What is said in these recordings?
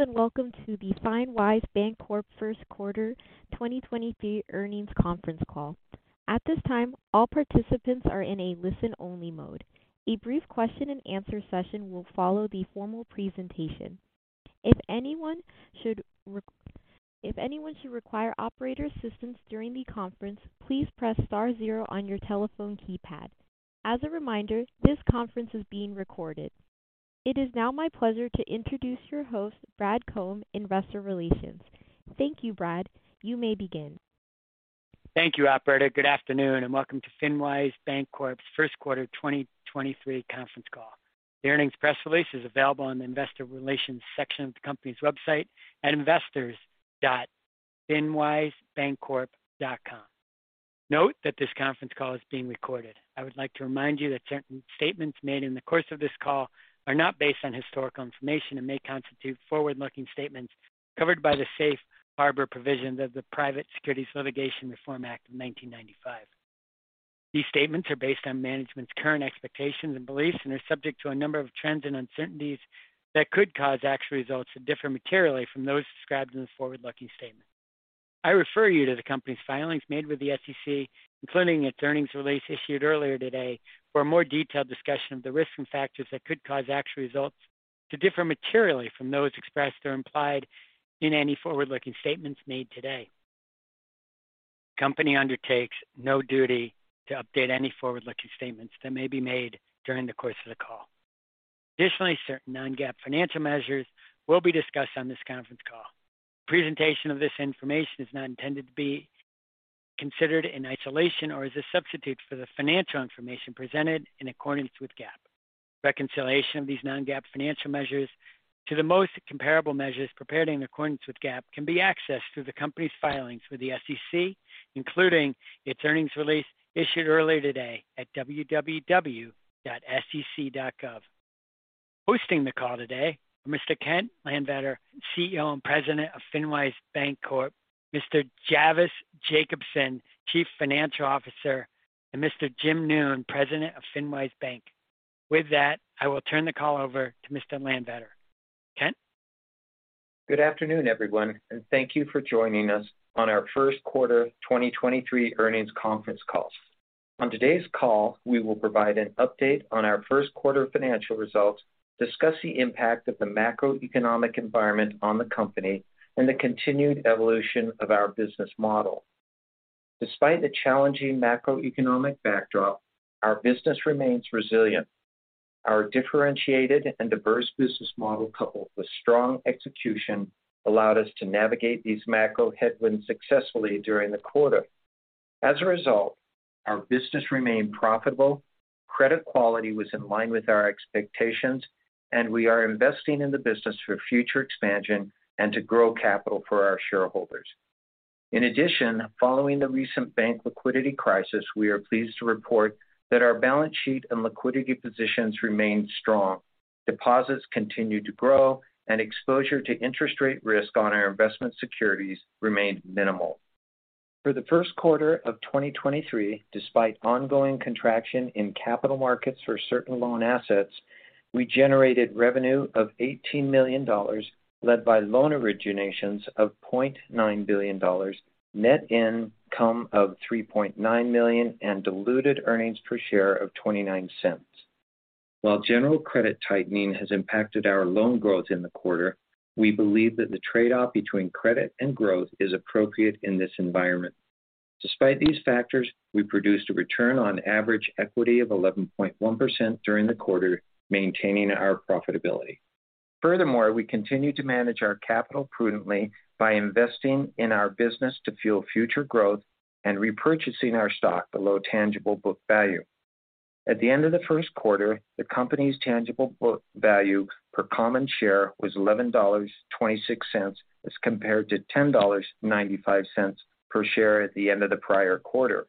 Greetings and welcome to the FinWise Bancorp Q1 2023 Earnings Conference Call. At this time, all participants are in a listen-only mode. A brief question and answer session will follow the formal presentation. If anyone should require operator assistance during the conference, please press star zero on your telephone keypad. As a reminder, this conference is being recorded. It is now my pleasure to introduce your host, Brad Cohen, Investor Relations. Thank you, Brad. You may begin. Thank you, operator. Good afternoon and welcome to FinWise Bancorp's Q1 2023 Conference Call. The earnings press release is available on the investor relations section of the company's website at investors.finwisebancorp.com. Note that this conference call is being recorded. I would like to remind you that certain statements made in the course of this call are not based on historical information and may constitute forward-looking statements covered by the Safe Harbor provisions of the Private Securities Litigation Reform Act of 1995. These statements are based on management's current expectations and beliefs and are subject to a number of trends and uncertainties that could cause actual results to differ materially from those described in the forward-looking statement. I refer you to the Company's filings made with the SEC, including its earnings release issued earlier today, for a more detailed discussion of the risks and factors that could cause actual results to differ materially from those expressed or implied in any forward-looking statements made today. The company undertakes no duty to update any forward-looking statements that may be made during the course of the call. Additionally, certain non-GAAP financial measures will be discussed on this conference call. Presentation of this information is not intended to be considered in isolation or as a substitute for the financial information presented in accordance with GAAP. Reconciliation of these non-GAAP financial measures to the most comparable measures prepared in accordance with GAAP can be accessed through the company's filings with the SEC, including its earnings release issued earlier today at www.sec.gov. Hosting the call today are Mr. Kent Landvatter, CEO and President of FinWise Bancorp, Mr. Javvis Jacobson, Chief Financial Officer, and Mr. Jim Noone, President of FinWise Bank. With that, I will turn the call over to Mr. Landvatter. Kent? Good afternoon, everyone. Thank you for joining us on our Q1 2023 Earnings Conference Call. On today's call, we will provide an update on our Q1 financial results, discuss the impact of the macroeconomic environment on the company and the continued evolution of our business model. Despite the challenging macroeconomic backdrop, our business remains resilient. Our differentiated and diverse business model, coupled with strong execution, allowed us to navigate these macro headwinds successfully during the quarter. As a result, our business remained profitable, credit quality was in line with our expectations, and we are investing in the business for future expansion and to grow capital for our shareholders. In addition, following the recent bank liquidity crisis, we are pleased to report that our balance sheet and liquidity positions remained strong. Deposits continued to grow and exposure to interest rate risk on our investment securities remained minimal. For the Q1 of 2023, despite ongoing contraction in capital markets for certain loan assets, we generated revenue of $18 million, led by loan originations of $0.9 billion, net income of $3.9 million, and diluted earnings per share of $0.29. While general credit tightening has impacted our loan growth in the quarter, we believe that the trade-off between credit and growth is appropriate in this environment. Despite these factors, we produced a return on average equity of 11.1% during the quarter, maintaining our profitability. Furthermore, we continue to manage our capital prudently by investing in our business to fuel future growth and repurchasing our stock below tangible book value. At the end of the Q1, the company's tangible book value per common share was $11.26 as compared to $10.95 per share at the end of the prior quarter.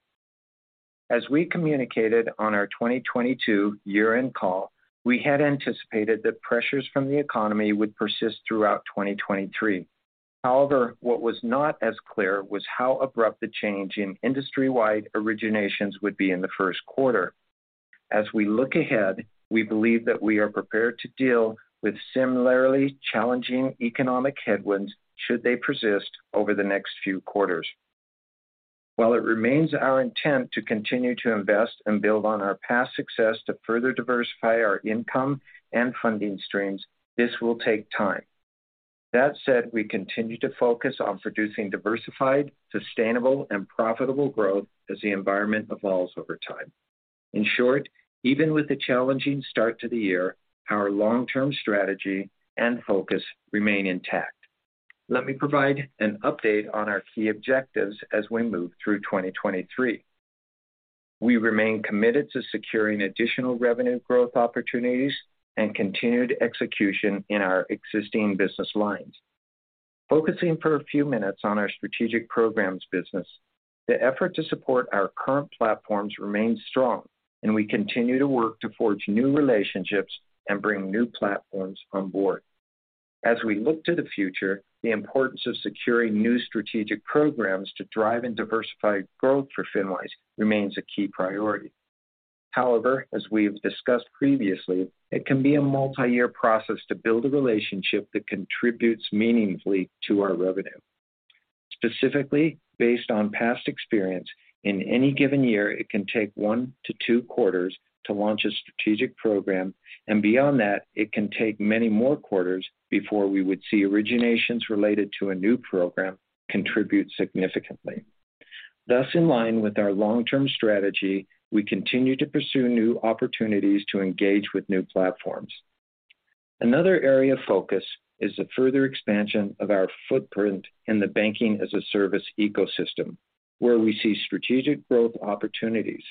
As we communicated on our 2022 year-end call, we had anticipated that pressures from the economy would persist throughout 2023. Although, what was not as clear was how abrupt the change in industry-wide originations would be in the Q1. As we look ahead, we believe that we are prepared to deal with similarly challenging economic headwinds should they persist over the next few quarters. While it remains our intent to continue to invest and build on our past success to further diversify our income and funding streams, this will take time. That said, we continue to focus on producing diversified, sustainable and profitable growth as the environment evolves over time. In short, even with the challenging start to the year, our long-term strategy and focus remain intact. Let me provide an update on our key objectives as we move through 2023. We remain committed to securing additional revenue growth opportunities and continued execution in our existing business lines. Focusing for a few minutes on our strategic programs business, the effort to support our current platforms remains strong and we continue to work to forge new relationships and bring new platforms on board. As we look to the future, the importance of securing new strategic programs to drive and diversify growth for FinWise remains a key priority. However, as we have discussed previously, it can be a multi-year process to build a relationship that contributes meaningfully to our revenue. Specifically, based on past experience, in any given year, it can take one to two quarters to launch a strategic program. And, beyond that, it can take many more quarters before we would see originations related to a new program contribute significantly. Thus, in line with our long-term strategy, we continue to pursue new opportunities to engage with new platforms. Another area of focus is the further expansion of our footprint in the banking-as-a-service ecosystem, where we see strategic growth opportunities.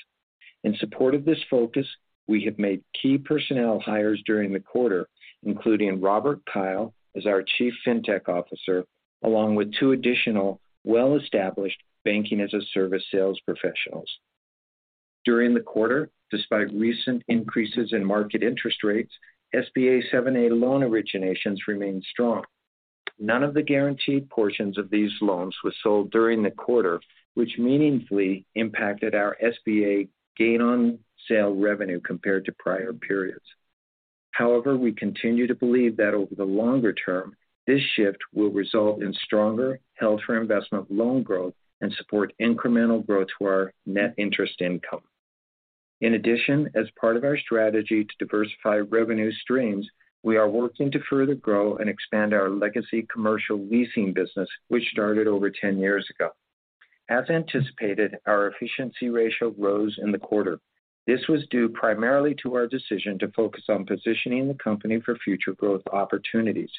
In support of this focus, we have made key personnel hires during the quarter, including Robert Keil as our Chief Fintech Officer, along with two additional well-established banking-as-a-service sales professionals. During the quarter, despite recent increases in market interest rates, SBA 7(a) loan originations remained strong. None of the guaranteed portions of these loans were sold during the quarter, which meaningfully impacted our SBA gain on sale revenue compared to prior periods. However, we continue to believe that over the longer term, this shift will result in stronger held for investment loan growth and support incremental growth to our net interest income. In addition, as part of our strategy to diversify revenue streams, we are working to further grow and expand our legacy commercial leasing business, which started over 10 years ago. As anticipated, our efficiency ratio rose in the quarter. This was due primarily to our decision to focus on positioning the company for future growth opportunities.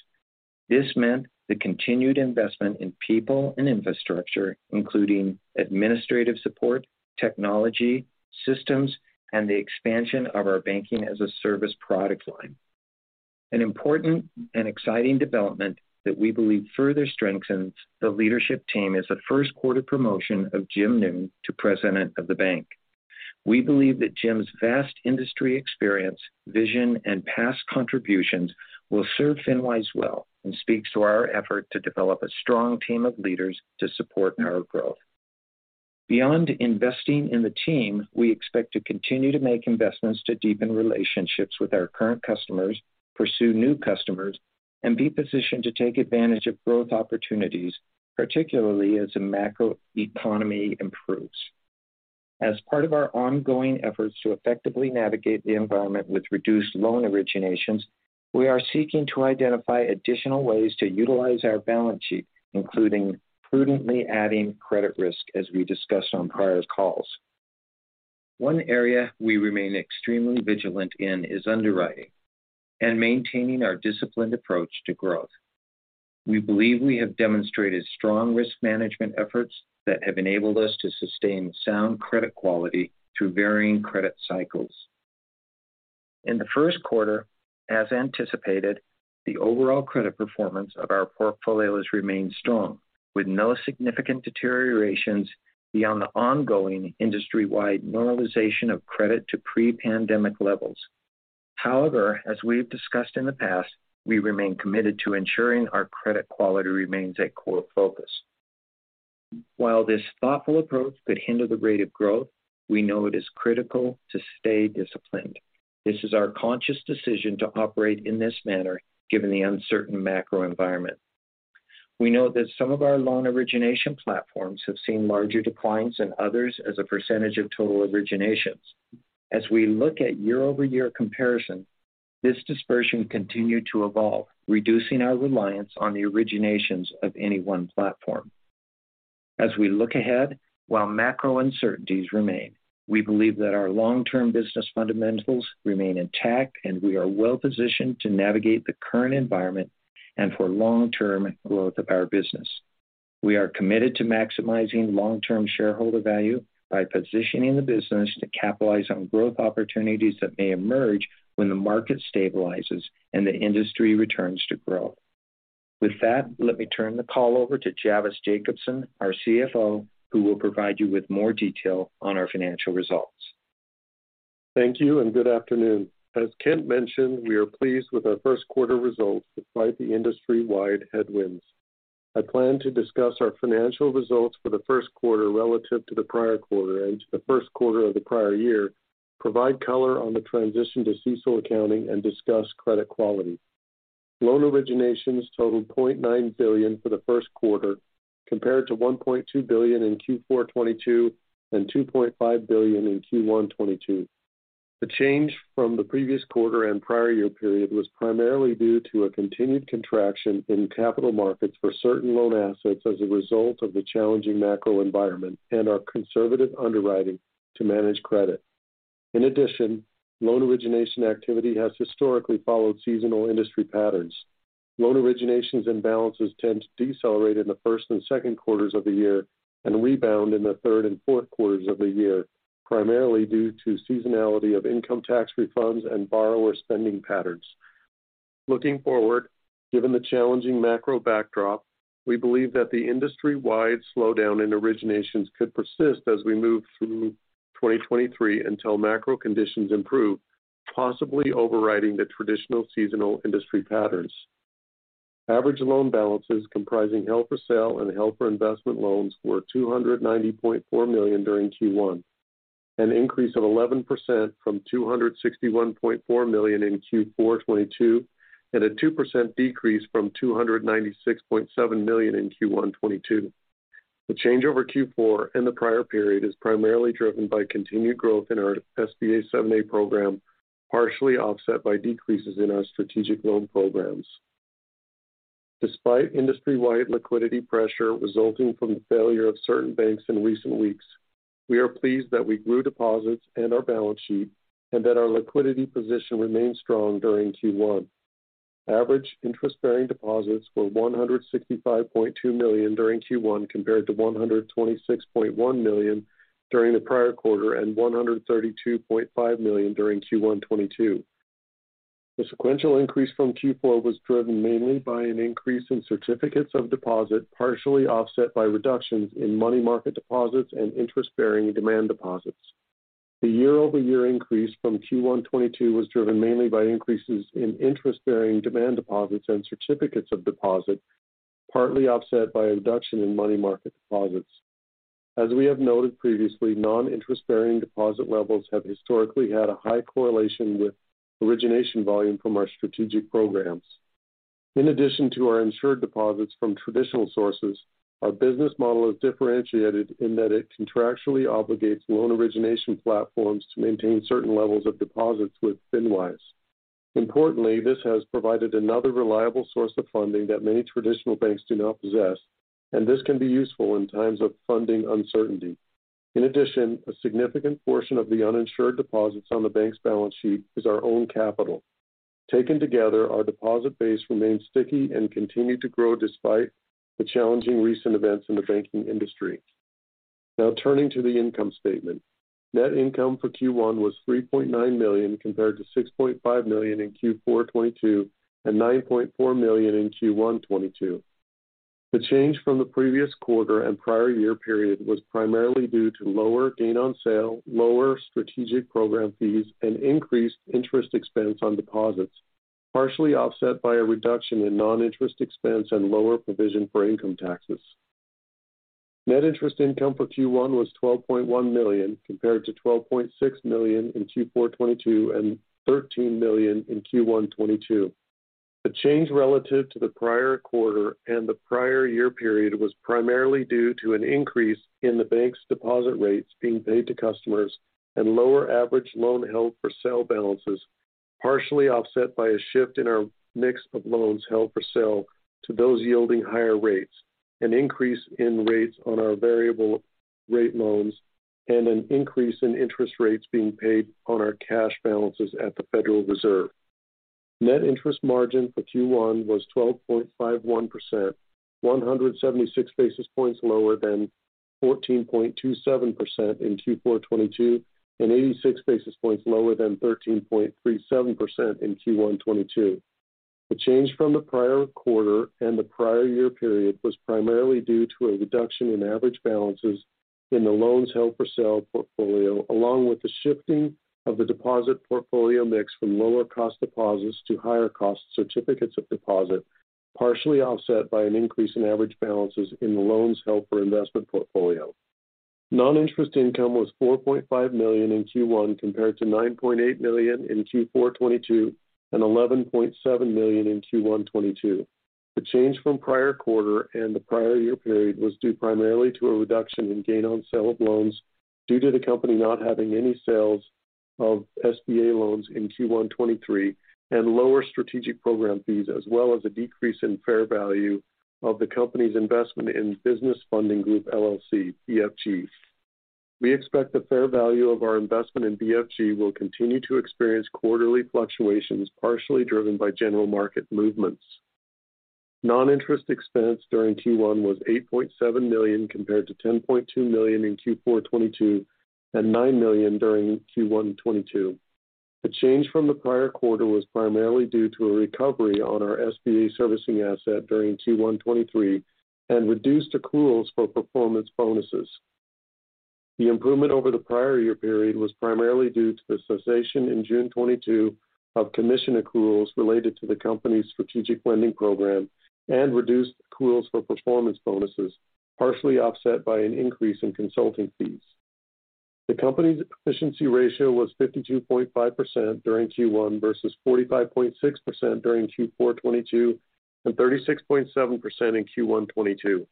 This meant the continued investment in people and infrastructure, including administrative support, technology systems, and the expansion of our banking-as-a-service product line. An important and exciting development that we believe further strengthens the leadership team is the Q1 promotion of Jim Noone to President of the Bank. We believe that Jim's vast industry experience, vision, and past contributions will serve FinWise well and speaks to our effort to develop a strong team of leaders to support our growth. Beyond investing in the team, we expect to continue to make investments to deepen relationships with our current customers, pursue new customers, and be positioned to take advantage of growth opportunities, particularly as the macro economy improves. As part of our ongoing efforts to effectively navigate the environment with reduced loan originations, we are seeking to identify additional ways to utilize our balance sheet, including prudently adding credit risk, as we discussed on prior calls. One area we remain extremely vigilant in is underwriting and maintaining our disciplined approach to growth. We believe we have demonstrated strong risk management efforts that have enabled us to sustain sound credit quality through varying credit cycles. In the Q1, as anticipated, the overall credit performance of our portfolio has remained strong, with no significant deteriorations beyond the ongoing industry-wide normalization of credit to pre-pandemic levels. However, as we have discussed in the past, we remain committed to ensuring our credit quality remains a core focus. While this thoughtful approach could hinder the rate of growth, we know it is critical to stay disciplined. This is our conscious decision to operate in this manner given the uncertain macro environment. We know that some of our loan origination platforms have seen larger declines than others as a percentage of total originations. As we look at year-over-year comparison, this dispersion continued to evolve, reducing our reliance on the originations of any one platform. As we look ahead, while macro uncertainties remain, we believe that our long-term business fundamentals remain intact, and we are well-positioned to navigate the current environment and for long-term growth of our business. We are committed to maximizing long-term shareholder value by positioning the business to capitalize on growth opportunities that may emerge when the market stabilizes and the industry returns to growth. With that, let me turn the call over to Javvis Jacobson, our CFO, who will provide you with more detail on our financial results. Thank you. Good afternoon. As Kent mentioned, we are pleased with our Q1 results despite the industry-wide headwinds. I plan to discuss our financial results for the Q1 relative to the prior quarter and to the Q1 of the prior year, provide color on the transition to CECL accounting and discuss credit quality. Loan originations totaled $0.9 billion for the Q1, compared to $1.2 billion in Q4 2022 and $2.5 billion in Q1 2022. The change from the previous quarter and prior year period was primarily due to a continued contraction in capital markets for certain loan assets as a result of the challenging macro environment and our conservative underwriting to manage credit. In addition, loan origination activity has historically followed seasonal industry patterns. Loan originations and balances tend to decelerate in the Q1 and Q2 of the year and rebound in the Q3 and Q4 of the year, primarily due to seasonality of income tax refunds and borrower spending patterns. Looking forward, given the challenging macro backdrop, we believe that the industry-wide slowdown in originations could persist as we move through 2023 until macro conditions improve, possibly overriding the traditional seasonal industry patterns. Average loan balances comprising held for sale and held for investment loans were $290.4 million during Q1. An increase of 11% from $261.4 million in Q4 2022, and a 2% decrease from $296.7 million in Q1 2022. The change over Q4 and the prior period is primarily driven by continued growth in our SBA 7(a) program, partially offset by decreases in our strategic loan programs. Despite industry-wide liquidity pressure resulting from the failure of certain banks in recent weeks, we are pleased that we grew deposits and our balance sheet and that our liquidity position remained strong during Q1. Average interest-bearing deposits were $165.2 million during Q1, compared to $126.1 million during the prior quarter and $132.5 million during Q1 2022. The sequential increase from Q4 was driven mainly by an increase in certificates of deposit, partially offset by reductions in money market deposits and interest-bearing demand deposits. The year-over-year increase from Q1 2022 was driven mainly by increases in interest-bearing demand deposits and certificates of deposit, partly offset by a reduction in money market deposits. As we have noted previously, non-interest-bearing deposit levels have historically had a high correlation with origination volume from our strategic programs. In addition to our insured deposits from traditional sources, our business model is differentiated in that it contractually obligates loan origination platforms to maintain certain levels of deposits with FinWise. Importantly, this has provided another reliable source of funding that many traditional banks do not possess. This can be useful in times of funding uncertainty. A significant portion of the uninsured deposits on the bank's balance sheet is our own capital. Taken together, our deposit base remains sticky and continued to grow despite the challenging recent events in the banking industry. Now turning to the income statement. Net income for Q1 was $3.9 million, compared to $6.5 million in Q4 2022 and $9.4 million in Q1 2022. The change from the previous quarter and prior year period was primarily due to lower gain on sale, lower strategic program fees, and increased interest expense on deposits, partially offset by a reduction in non-interest expense and lower provision for income taxes. Net interest income for Q1 was $12.1 million, compared to $12.6 million in Q4 2022 and $13 million in Q1 2022. The change relative to the prior quarter and the prior year period was primarily due to an increase in the bank's deposit rates being paid to customers and lower average loan held for sale balances, partially offset by a shift in our mix of loans held for sale to those yielding higher rates, an increase in rates on our variable rate loans, and an increase in interest rates being paid on our cash balances at the Federal Reserve. Net interest margin for Q1 was 12.51%, 176 basis points lower than 14.27% in Q4 2022, and 86 basis points lower than 13.37% in Q1 2022. The change from the prior quarter and the prior year period was primarily due to a reduction in average balances in the loans held for sale portfolio, along with the shifting of the deposit portfolio mix from lower cost deposits to higher cost certificates of deposit, partially offset by an increase in average balances in the loans held for investment portfolio. Non-interest income was $4.5 million in Q1 compared to $9.8 million in Q4 2022, and $11.7 million in Q1 2022. The change from prior quarter and the prior year period was due primarily to a reduction in gain on sale of loans due to the company not having any sales of SBA loans in Q1 2023 and lower strategic program fees, as well as a decrease in fair value of the company's investment in Business Funding Group, LLC, BFG. We expect the fair value of our investment in BFG will continue to experience quarterly fluctuations, partially driven by general market movements. Non-interest expense during Q1 was $8.7 million, compared to $10.2 million in Q4 2022, and $9 million during Q1 2022. The change from the prior quarter was primarily due to a recovery on our SBA servicing asset during Q1 2023 and reduced accruals for performance bonuses. The improvement over the prior year period was primarily due to the cessation in June 2022 of commission accruals related to the company's strategic lending program and reduced accruals for performance bonuses, partially offset by an increase in consulting fees. The company's efficiency ratio was 52.5% during Q1 versus 45.6% during Q4 2022, and 36.7% in Q1 2022.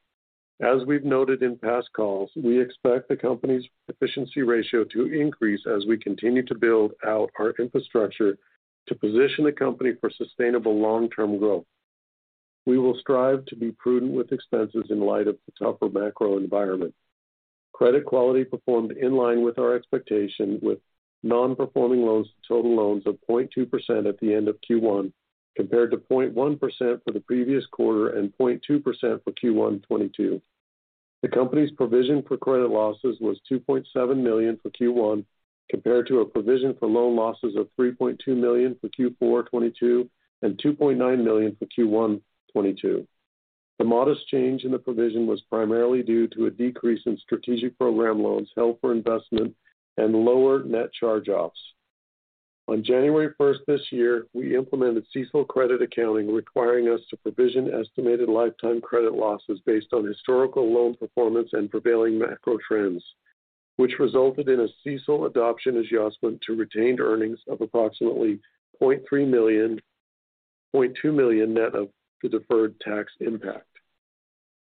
As we've noted in past calls, we expect the company's efficiency ratio to increase as we continue to build out our infrastructure to position the company for sustainable long-term growth. We will strive to be prudent with expenses in light of the tougher macro environment. Credit quality performed in line with our expectation, with non-performing loans to total loans of 0.2% at the end of Q1, compared to 0.1% for the previous quarter and 0.2% for Q1 2022. The company's provision for credit losses was $2.7 million for Q1, compared to a provision for loan losses of $3.2 million for Q4 2022 and $2.9 million for Q1 2022. The modest change in the provision was primarily due to a decrease in strategic program loans held for investment and lower net charge-offs. On January first this year, we implemented CECL credit accounting, requiring us to provision estimated lifetime credit losses based on historical loan performance and prevailing macro trends, which resulted in a CECL adoption adjustment to retained earnings of approximately $0.2 million net of the deferred tax impact.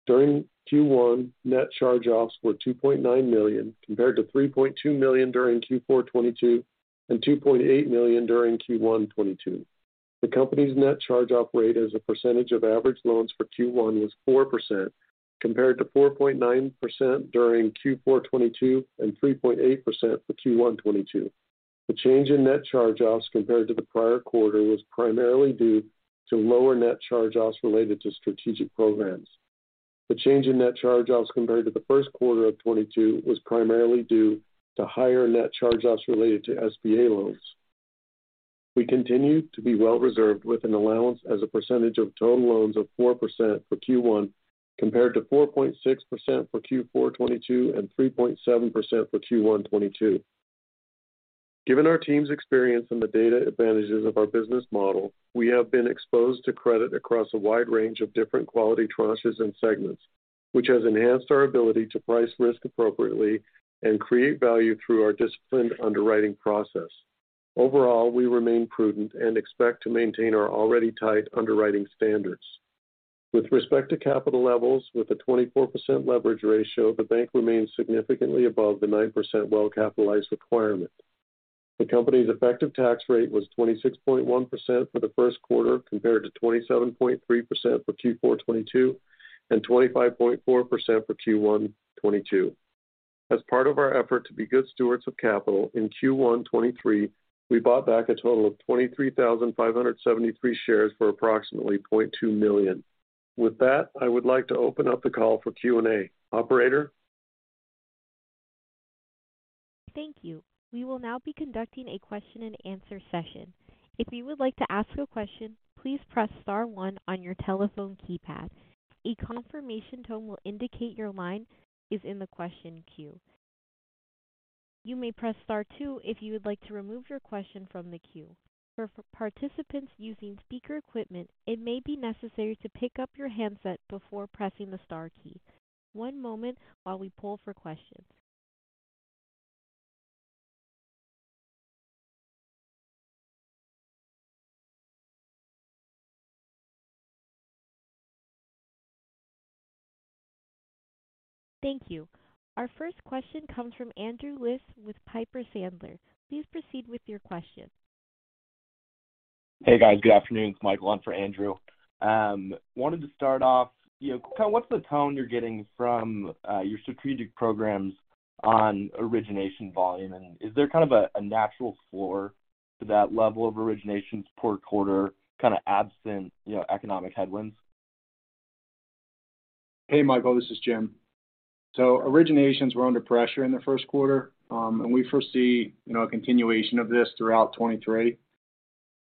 During Q1, net charge-offs were $2.9 million, compared to $3.2 million during Q4 2022 and $2.8 million during Q1 2022. The company's net charge-off rate as a percentage of average loans for Q1 was 4% compared to 4.9% during Q4 2022 and 3.8% for Q1 2022. The change in net charge-offs compared to the prior quarter was primarily due to lower net charge-offs related to strategic programs. The change in net charge-offs compared to the Q1 of 2022 was primarily due to higher net charge-offs related to SBA loans. We continue to be well reserved with an allowance as a percentage of total loans of 4% for Q1 compared to 4.6% for Q4 2022 and 3.7% for Q1 2022. Given our team's experience and the data advantages of our business model, we have been exposed to credit across a wide range of different quality tranches and segments, which has enhanced our ability to price risk appropriately and create value through our disciplined underwriting process. Overall, we remain prudent and expect to maintain our already tight underwriting standards. With respect to capital levels, with a 24% leverage ratio, the bank remains significantly above the 9% well-capitalized requirement. The company's effective tax rate was 26.1% for the Q1, compared to 27.3% for Q4 2022 and 25.4% for Q1 2022. As part of our effort to be good stewards of capital, in Q1 2023, we bought back a total of 23,573 shares for approximately $0.2 million. With that, I would like to open up the call for Q&A. Operator? Thank you. We will now be conducting a question-and-answer session. If you would like to ask a question, please press star one on your telephone keypad. A confirmation tone will indicate your line is in the question queue. You may press Star two if you would like to remove your question from the queue. For participants using speaker equipment, it may be necessary to pick up your handset before pressing the star key. One moment while we pull for questions. Thank you. Our first question comes from Andrew Liesch with Piper Sandler. Please proceed with your question. Hey, guys. Good afternoon. It's Michael on for Andrew. Wanted to start off, you know, what's the tone you're getting from your strategic programs on origination volume? Is there kind of a natural floor to that level of originations per quarter, kind of absent, you know, economic headwinds? Hey, Michael, this is Jim. Originations were under pressure in the Q1, and we foresee, you know, a continuation of this throughout 2023.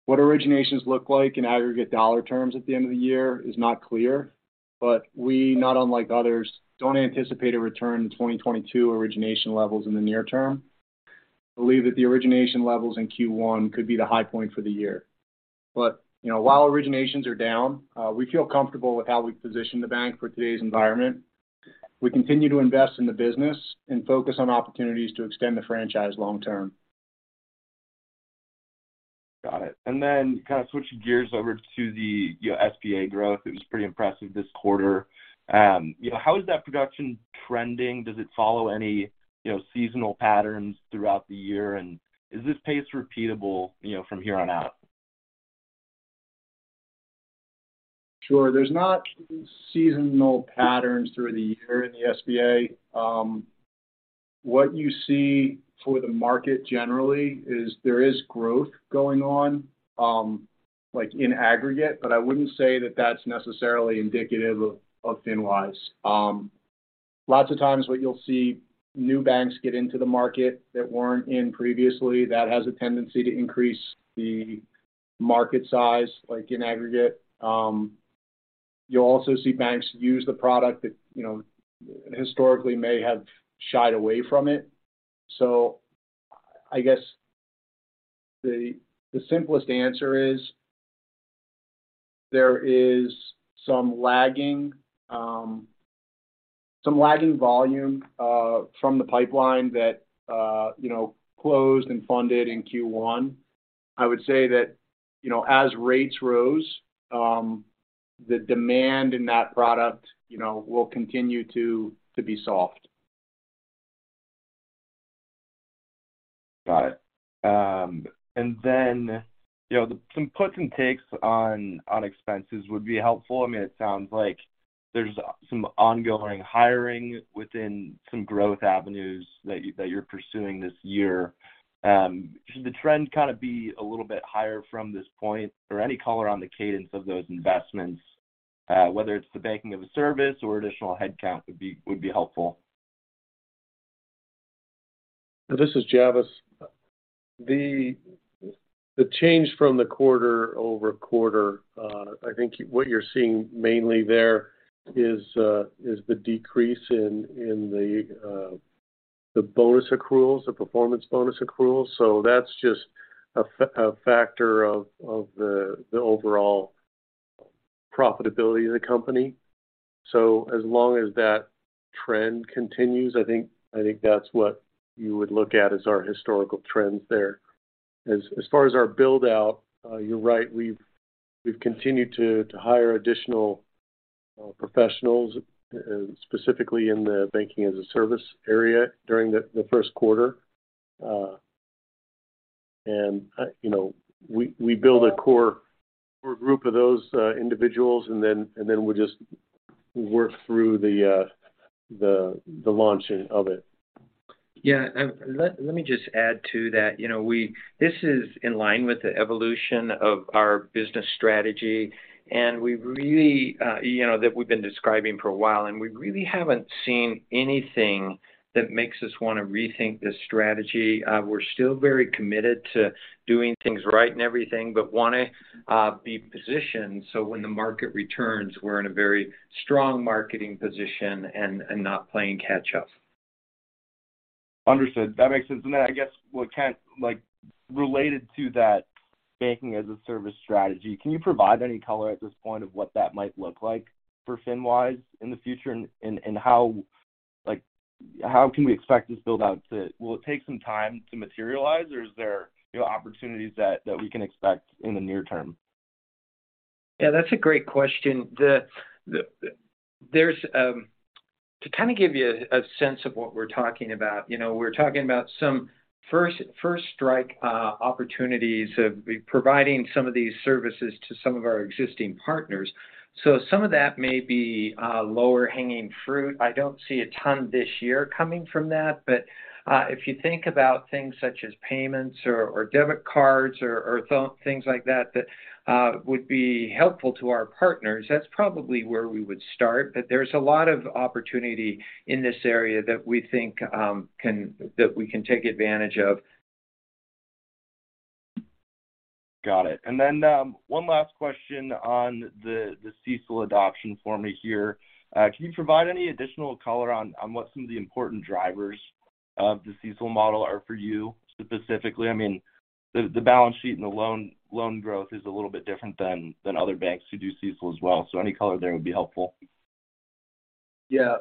What originations look like in aggregate dollar terms at the end of the year is not clear. We, not unlike others, don't anticipate a return to 2022 origination levels in the near term. Believe that the origination levels in Q1 could be the high point for the year. You know, while originations are down, we feel comfortable with how we position the bank for today's environment. We continue to invest in the business and focus on opportunities to extend the franchise long term. Got it. Then kind of switching gears over to the, you know, SBA growth. It was pretty impressive this quarter. You know, how is that production trending? Does it follow any, you know, seasonal patterns throughout the year? Is this pace repeatable, you know, from here on out? Sure. There's not seasonal patterns through the year in the SBA. What you see for the market generally is there is growth going on, like in aggregate, but I wouldn't say that that's necessarily indicative of FinWise. Lots of times what you'll see new banks get into the market that weren't in previously. That has a tendency to increase the market size, like in aggregate. You'll also see banks use the product that, you know, historically may have shied away from it. I guess the simplest answer is there is some lagging, some lagging volume, from the pipeline that, you know, closed and funded in Q1. I would say that, you know, as rates rose, the demand in that product, you know, will continue to be soft. Got it. Then, you know, some puts and takes on expenses would be helpful. I mean, it sounds like there's some ongoing hiring within some growth avenues that you're pursuing this year. Should the trend kind of be a little bit higher from this point or any color on the cadence of those investments, whether it's the banking-as-a-service or additional headcount would be, would be helpful. This is Javvis. The change from the quarter-over-quarter, I think what you're seeing mainly there is the decrease in the bonus accruals, the performance bonus accruals. That's just a factor of the overall profitability of the company. As long as that trend continues, I think, I think that's what you would look at as our historical trends there. As far as our build-out, you're right, we've continued to hire additional professionals specifically in the banking-as-a-service area during the Q1. You know, we build a core group of those individuals, and then we just work through the launching of it. Let me just add to that. You know, This is in line with the evolution of our business strategy, we really, you know, that we've been describing for a while, we really haven't seen anything that makes us wanna rethink this strategy. We're still very committed to doing things right and everything, wanna be positioned so when the market returns, we're in a very strong marketing position and not playing catch up. Understood. That makes sense. I guess what, Kent, like, related to that banking-as-a-service strategy, can you provide any color at this point of what that might look like for FinWise in the future? How can we expect this build-out to... Will it take some time to materialize, or is there, you know, opportunities that we can expect in the near term? Yeah, that's a great question. There's to kind of give you a sense of what we're talking about. You know, we're talking about some first-strike opportunities of providing some of these services to some of our existing partners. Some of that may be lower-hanging fruit. I don't see a ton this year coming from that. If you think about things such as payments or debit cards or things like that that would be helpful to our partners, that's probably where we would start. There's a lot of opportunity in this area that we think that we can take advantage of. Got it. Then one last question on the CECL adoption for me here. Can you provide any additional color on what some of the important drivers of the CECL model are for you specifically? I mean, the balance sheet and the loan growth is a little bit different than other banks who do CECL as well. Any color there would be helpful. Yeah.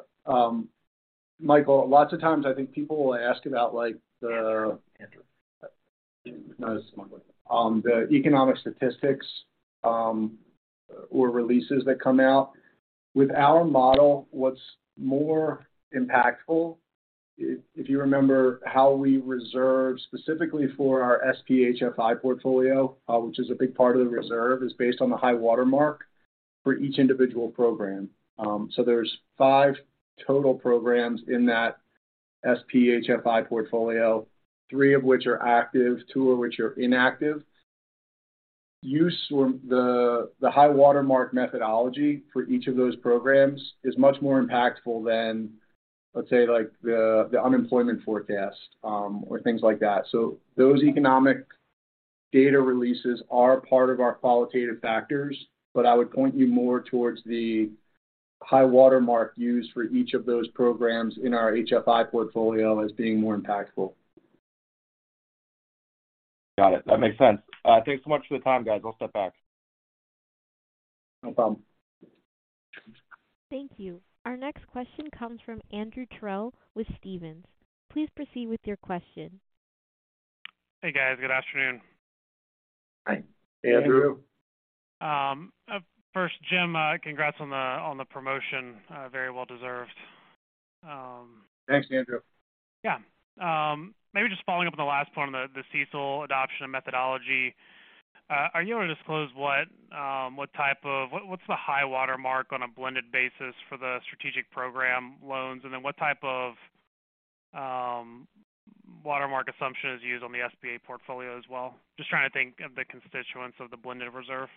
Michael, lots of times I think people will ask about, like the economic statistics or releases that come out. With our model, what's more impactful, if you remember how we reserve specifically for our SPHFI portfolio, which is a big part of the reserve, is based on the high water mark for each individual program. There's five total programs in that SPHFI portfolio, three of which are active, two of which are inactive. The high water mark methodology for each of those programs is much more impactful than, let's say, like the unemployment forecast or things like that. Those economic data releases are part of our qualitative factors, but I would point you more towards the high water mark used for each of those programs in our HFI portfolio as being more impactful. Got it. That makes sense. Thanks so much for the time, guys. I'll step back. No problem. Thank you. Our next question comes from Andrew Terrell with Stephens. Please proceed with your question. Hey, guys. Good afternoon. Hi, Andrew. Andrew. First, Jim, congrats on the promotion. Very well deserved. Thanks, Andrew. Maybe just following up on the last point on the CECL adoption and methodology. Are you able to disclose what's the high water mark on a blended basis for the Strategic Program loans, and then what type of water mark assumption is used on the SBA portfolio as well? Just trying to think of the constituents of the blended reserve.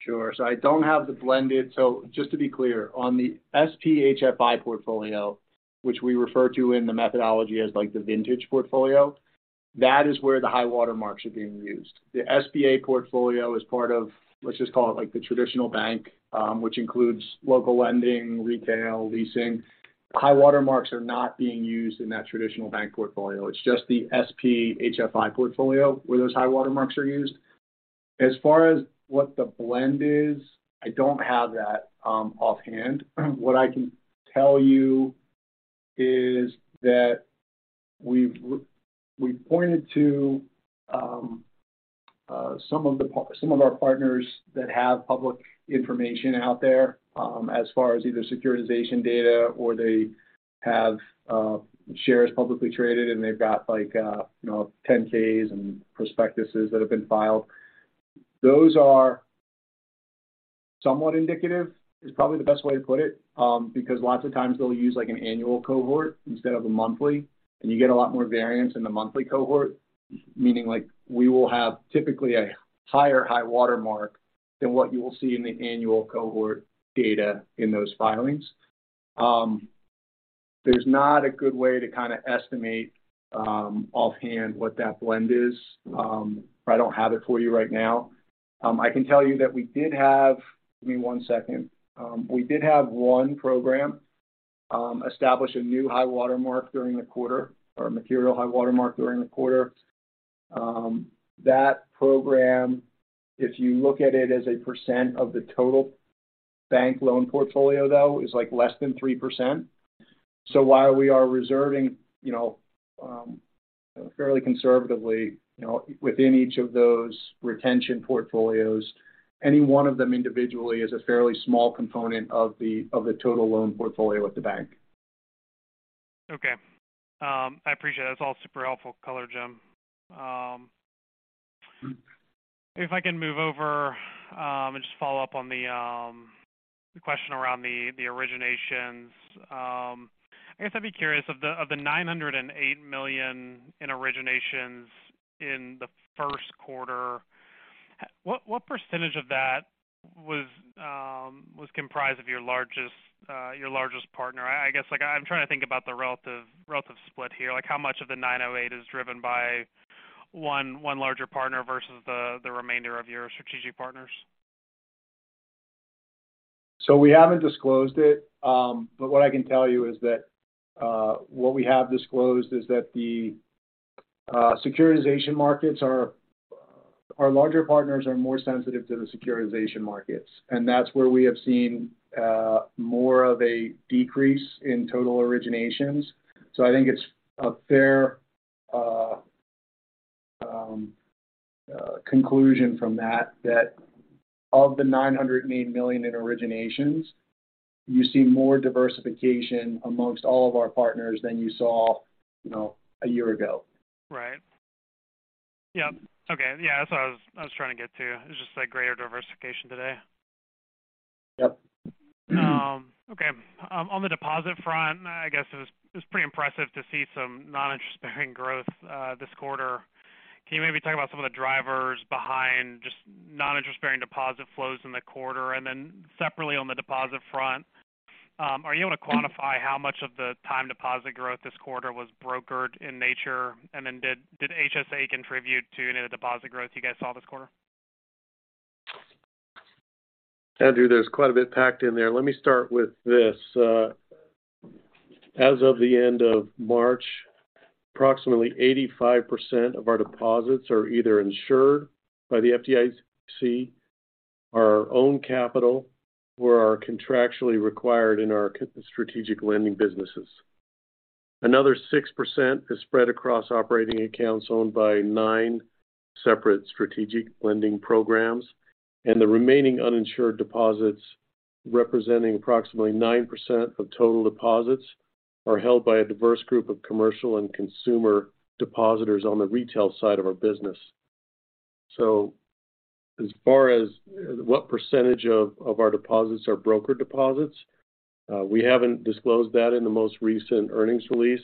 Sure. I don't have the blended. Just to be clear, on the SPHFI portfolio, which we refer to in the methodology as, like, the Vintage portfolio, that is where the high water marks are being used. The SBA portfolio is part of, let's just call it, like, the traditional bank, which includes local lending, retail, leasing. High water marks are not being used in that traditional bank portfolio. It's just the SPHFI portfolio where those high water marks are used. As far as what the blend is, I don't have that offhand. What I can tell you is that we've pointed to, some of our partners that have public information out there, as far as either securitization data or they have, shares publicly traded, and they've got like, you know, 10-Ks and prospectuses that have been filed. Those are somewhat indicative, is probably the best way to put it, because lots of times they'll use like an annual cohort instead of a monthly, and you get a lot more variance in the monthly cohort. Meaning like we will have typically a higher high water mark than what you will see in the annual cohort data in those filings. There's not a good way to kinda estimate offhand what that blend is. I don't have it for you right now. I can tell you that we did have. Give me one second. We did have one program establish a new high water mark during the quarter or a material high water mark during the quarter. That program, if you look at it as a percent of the total bank loan portfolio, though, is like less than 3%. While we are reserving, you know, fairly conservatively, you know, within each of those retention portfolios, any one of them individually is a fairly small component of the, of the total loan portfolio at the bank. I appreciate it. That's all super helpful color, Jim. If I can move over and just follow up on the question around the originations. I guess I'd be curious, of the $908 million in originations in the Q1, what percentage of that was comprised of your largest partner? I guess, like I'm trying to think about the relative split here. Like, how much of the 908 is driven by one larger partner versus the remainder of your strategic partners? We haven't disclosed it. What I can tell you is that what we have disclosed is that the securitization markets. Our larger partners are more sensitive to the securitization markets, and that's where we have seen more of a decrease in total originations. I think it's a fair conclusion from that of the $908 million in originations, you see more diversification amongst all of our partners than you saw, you know, a year ago. Right. Yep. Okay. Yeah, that's what I was trying to get to. It's just like greater diversification today. Yep. Okay. On the deposit front, I guess it's pretty impressive to see some non-interest-bearing growth this quarter. Can you maybe talk about some of the drivers behind just non-interest-bearing deposit flows in the quarter? Separately on the deposit front, are you able to quantify how much of the time deposit growth this quarter was brokered in nature? Did HSA contribute to any of the deposit growth you guys saw this quarter? Andrew, there's quite a bit packed in there. Let me start with this. As of the end of March, approximately 85% of our deposits are either insured by the FDIC, are our own capital or are contractually required in our strategic lending businesses. Another 6% is spread across operating accounts owned by nine separate strategic lending programs, and the remaining uninsured deposits, representing approximately 9% of total deposits, are held by a diverse group of commercial and consumer depositors on the retail side of our business. As far as what percentage of our deposits are broker deposits, we haven't disclosed that in the most recent earnings release.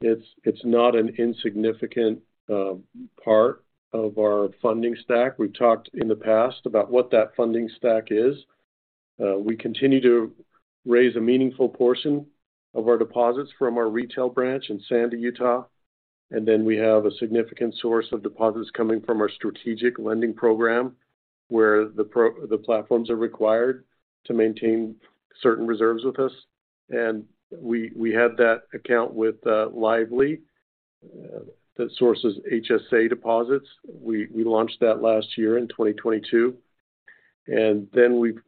It's not an insignificant part of our funding stack. We've talked in the past about what that funding stack is. We continue to raise a meaningful portion of our deposits from our retail branch in Sandy, Utah. We have a significant source of deposits coming from our strategic lending program, where the platforms are required to maintain certain reserves with us. We had that account with Lively that sources HSA deposits. We launched that last year in 2022.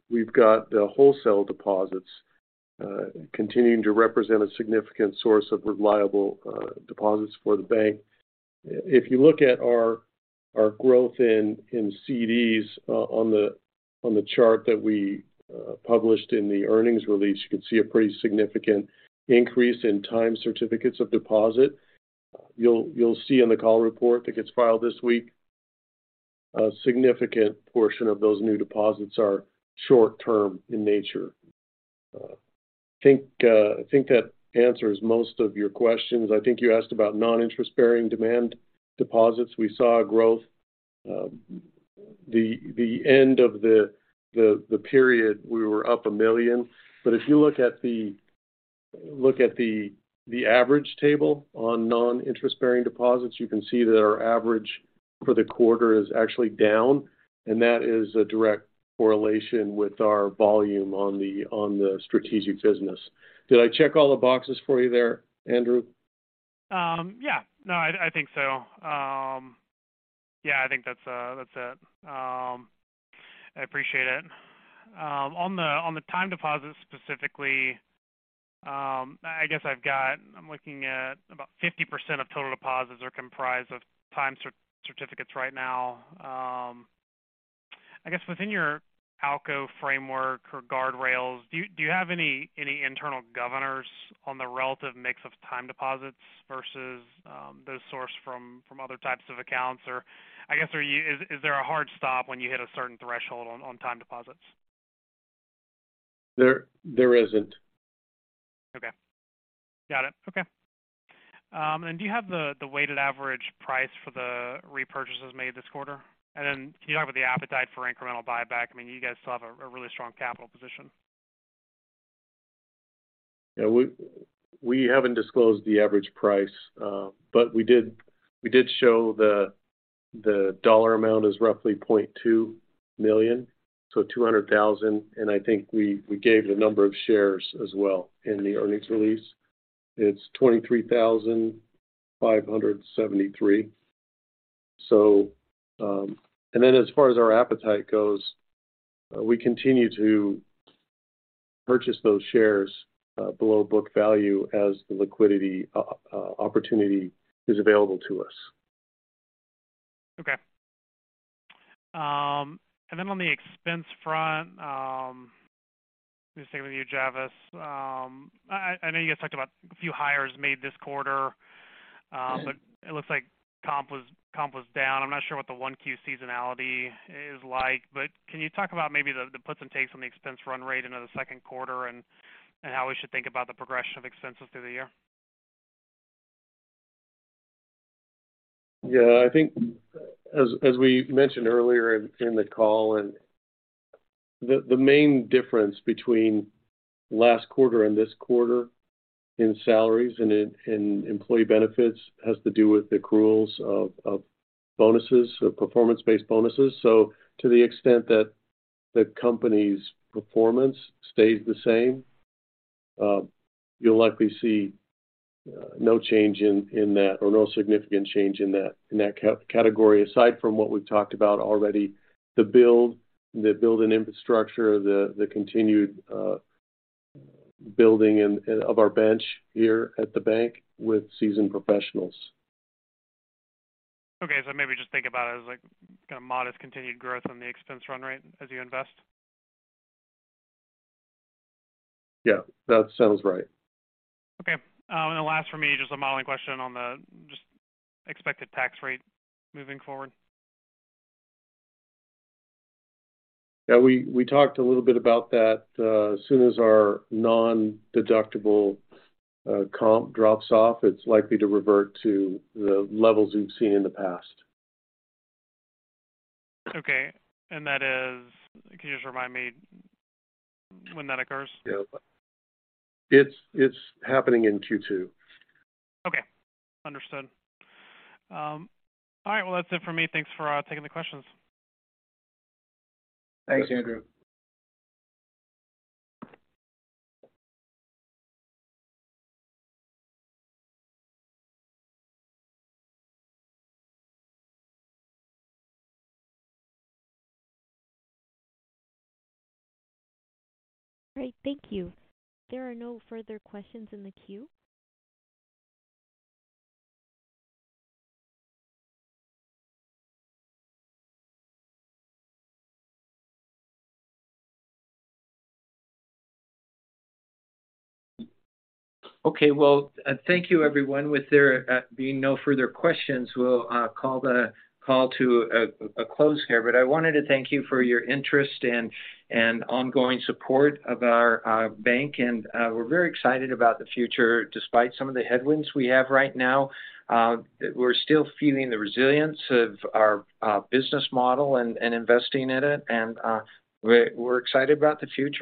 We've got the wholesale deposits continuing to represent a significant source of reliable deposits for the bank. If you look at our growth in CDs on the chart that we published in the earnings release, you can see a pretty significant increase in time certificates of deposit. You'll see in the call report that gets filed this week, a significant portion of those new deposits are short-term in nature. I think that answers most of your questions. I think you asked about non-interest-bearing demand deposits. We saw a growth. The end of the period, we were up $1 million. If you look at the average table on non-interest-bearing deposits, you can see that our average for the quarter is actually down. That is a direct correlation with our volume on the strategic business. Did I check all the boxes for you there, Andrew? Yeah. Now, I think so. Yeah, I think that's it. I appreciate it. On the, on the time deposits specifically, I guess I'm looking at about 50% of total deposits are comprised of time certificates right now. I guess within your ALCO framework or guardrails, do you, do you have any internal governors on the relative mix of time deposits versus, those sourced from other types of accounts? I guess, is there a hard stop when you hit a certain threshold on time deposits? There isn't. Okay. Got it. Okay. Do you have the weighted average price for the repurchases made this quarter? Can you talk about the appetite for incremental buyback? I mean, you guys still have a really strong capital position. Yeah, we haven't disclosed the average price, but we did, we did show the dollar amount is roughly $0.2 million, so $200,000. I think we gave the number of shares as well in the earnings release. It's 23,573. Then as far as our appetite goes, we continue to purchase those shares below book value as the liquidity opportunity is available to us. Okay. On the expense front, just sticking with you, Javvis. I know you guys talked about a few hires made this quarter. Yeah. It looks like comp was down. I'm not sure what the 1Q seasonality is like. Can you talk about maybe the puts and takes on the expense run rate into the Q2 and how we should think about the progression of expenses through the year? Yeah. I think as we mentioned earlier in the call and the main difference between last quarter and this quarter in salaries and in employee benefits has to do with the accruals of bonuses or performance-based bonuses. To the extent that the company's performance stays the same, you'll likely see no change in that or no significant change in that category, aside from what we've talked about already, the build and infrastructure, the continued building and of our bench here at the bank with seasoned professionals. Okay. maybe just think about it as like kinda modest continued growth on the expense run rate as you invest. Yeah, that sounds right. Okay. Last for me, just a modeling question on the just expected tax rate moving forward? Yeah. We talked a little bit about that. As soon as our nondeductible comp drops off, it's likely to revert to the levels we've seen in the past. Okay. That is? Can you just remind me when that occurs? Yeah. It's happening in Q2. Okay. Understood. All right. Well, that's it for me. Thanks for taking the questions. Thanks, Andrew. All right. Thank you. There are no further questions in the queue. Okay. Well, thank you everyone. With there being no further questions, we'll call the call to a close here. I wanted to thank you for your interest and ongoing support of our bank. We're very excited about the future despite some of the headwinds we have right now. We're still feeling the resilience of our business model and investing in it. We're excited about the future.